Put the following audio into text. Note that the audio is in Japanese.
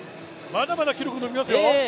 まだまだ記録伸びますよ。